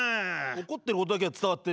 怒ってることだけは伝わってるよ。